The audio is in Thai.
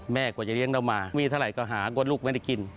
กว่าจะเลี้ยงเรามามีเท่าไหร่ก็หากว่าลูกไม่ได้กิน